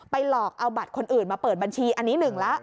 หลอกเอาบัตรคนอื่นมาเปิดบัญชีอันนี้หนึ่งแล้ว